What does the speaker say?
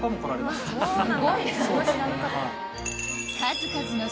すごいですね！